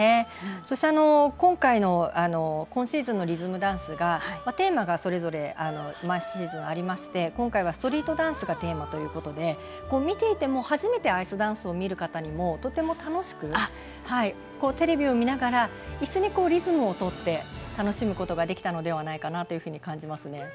そして今シーズンのリズムダンスはテーマがそれぞれ毎シーズンありまして今回はストリートダンスがテーマということで初めてアイスダンスを見る方にもとても楽しくテレビを見ながら一緒にリズムをとって楽しむことができたのではないかなと感じますね。